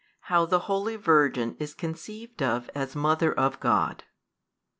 How the holy Virgin is conceived of as Mother of God.